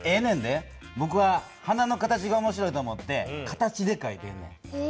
ぼくは花の形が面白いと思って形でかいてんねん。